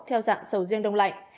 theo dạng sầu riêng đông lạnh